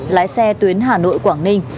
lái xe tuyến hà nội quảng ninh